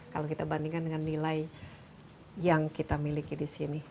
kalau kita bandingkan dengan nilai yang kita miliki di sini